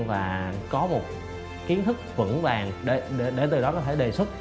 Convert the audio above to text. và có một kiến thức vững vàng để từ đó có thể đề xuất